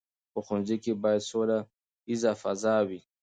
په ښوونځي کې باید سوله ییزه فضا وي.